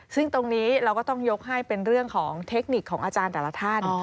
ซึ่งตรงนี้เราก็ต้องยกให้เป็นเรื่องของเทคนิคของอาจารย์แต่ละท่าน